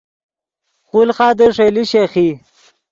خولخادے ݰئیلے شیخ ای